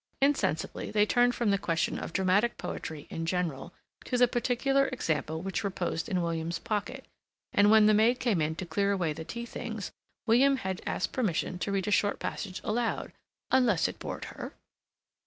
Insensibly they turned from the question of dramatic poetry in general, to the particular example which reposed in William's pocket, and when the maid came in to clear away the tea things, William had asked permission to read a short passage aloud, "unless it bored her?"